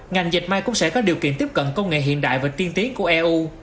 ngành dịch may cũng sẽ có điều kiện tiếp cận công nghệ hiện đại và tiên tiến của eu